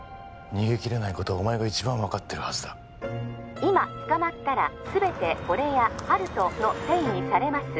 逃げ切れないことはお前が一番分かってるはずだ☎今捕まったらすべて俺や温人のせいにされます